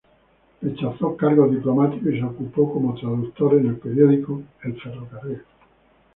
Rechazó cargos diplomáticos y se ocupó como traductor en el periódico El Ferrocarril.